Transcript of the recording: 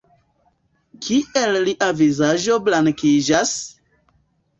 Kiel lia vizaĝo blankiĝas?